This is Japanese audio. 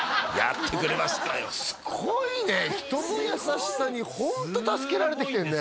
すごいね人の優しさにホント助けられてきてんね